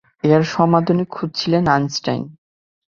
এর সমাধানই খুঁজছিলেন আইনস্টাইন।